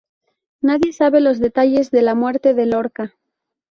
Nadie sabe los detalles de la muerte de Lorca.